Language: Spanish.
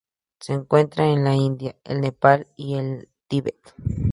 Se encuentra en la India, el Nepal y el Tíbet.